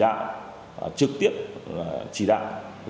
đã trì đạo trực tiếp trì đạo